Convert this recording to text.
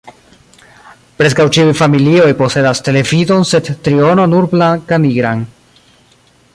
Preskaŭ ĉiuj familioj posedas televidon sed triono nur blankanigran.